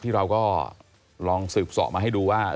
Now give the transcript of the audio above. เราก็ลองสืบสอบมาให้ดูว่า